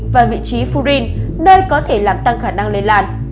và vị trí furin nơi có thể làm tăng khả năng lây lan